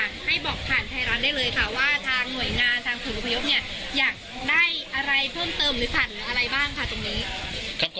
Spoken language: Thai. ว่าทางหน่วยงานทางสมุทรพยพอยากได้อะไรเพิ่มเติมหรือผ่านอะไรบ้างค่ะ